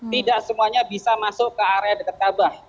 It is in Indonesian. tidak semuanya bisa masuk ke area dekat kaabah